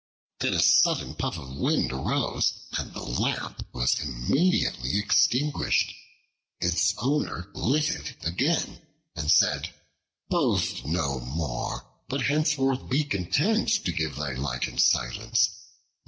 Then a sudden puff of wind arose, and the Lamp was immediately extinguished. Its owner lit it again, and said: "Boast no more, but henceforth be content to give thy light in silence.